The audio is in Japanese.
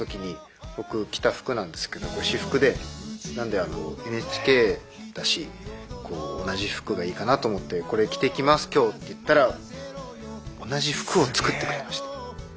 これ私服でなんであのＮＨＫだし同じ服がいいかなと思って「これ着てきます今日」って言ったら同じ服を作ってくれました。